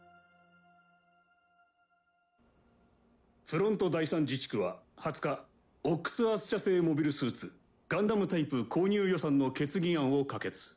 フロント第３自治区は２０日「オックス・アース社」製モビルスーツガンダムタイプ購入予算の決議案を可決。